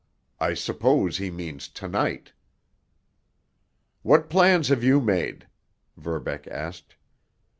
I suppose he means to night." "What plans have you made?" Verbeck asked.